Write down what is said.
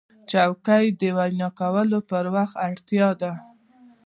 چوکۍ د وینا کولو پر وخت اړتیا ده.